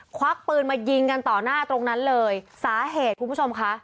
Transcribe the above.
ควักปืนมายิงกันต่อหน้าตรงนั้นเลยสาเหตุคุณผู้ชมค่ะ